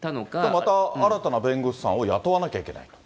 また新たな弁護士さんを雇わなきゃいけないと。